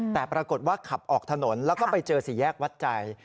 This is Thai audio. แต่ปรากฏว่าขับออกถนนแล้วก็ไปเจอสี่แยกวัดใจ